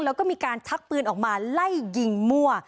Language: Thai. แล้วก็มีการชักปืนออกมาไล่ยิงมั่ว